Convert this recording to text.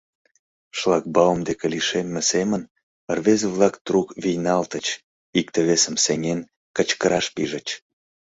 Шлагбаум деке лишемме семын рвезе-влак трук вийналтыч, икте-весым сеҥен, кычкыраш пижыч: